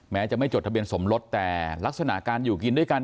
แม้จะไม่จดทะเบียนสมรสแต่ลักษณะการอยู่กินด้วยกัน